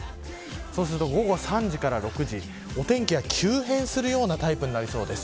そうすると午後３時から６時お天気が急変するようなタイプになりそうです。